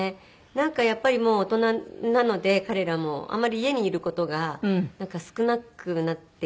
なんかやっぱりもう大人なので彼らも。あまり家にいる事が少なくなってきたんですけど。